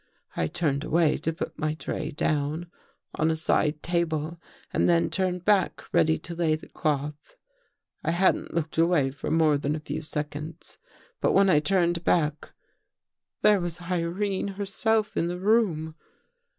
I turned away to put my tray down on a side table and then turned back ready to lay the cloth. I hadn't looked away for more than a few seconds. But when I turned back, there 246 THE THIRD CONFESSION ' was Irene herself in the room.